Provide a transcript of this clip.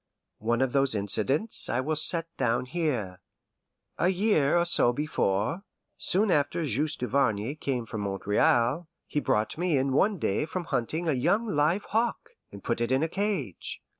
One of those incidents I will set down here. A year or so before, soon after Juste Duvarney came from Montreal, he brought in one day from hunting a young live hawk, and put it in a cage.